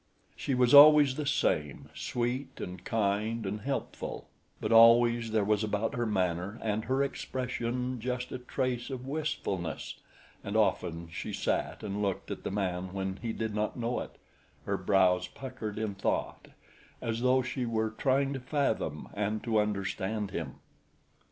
She was always the same sweet and kind and helpful but always there was about her manner and her expression just a trace of wistfulness, and often she sat and looked at the man when he did not know it, her brows puckered in thought as though she were trying to fathom and to understand him.